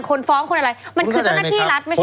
คนฟ้องคนอะไรมันคือเจ้าหน้าที่รัฐไม่ใช่